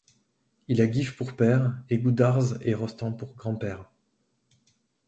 Il a Guiv pour père et Goudarz et Rostam pour grands-pères.